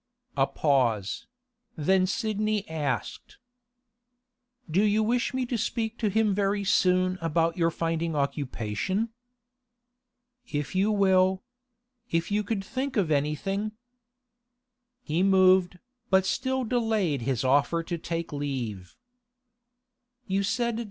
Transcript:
A pause; then Sidney asked: 'Do you wish me to speak to him very soon about your finding occupation?' 'If you will. If you could think of anything.' He moved, but still delayed his offer to take leave.